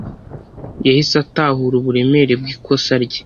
yahise atahura uburemere bwikosa rye.